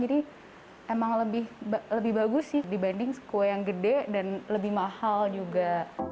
jadi emang lebih bagus sih dibanding kue yang gede dan lebih mahal juga